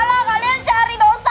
orang tuh cari pahala